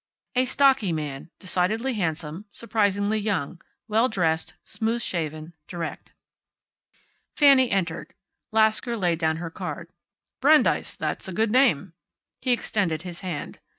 A stocky man, decidedly handsome, surprisingly young, well dressed, smooth shaven, direct. Fanny entered. Lasker laid down her card. "Brandeis. That's a good name." He extended his hand.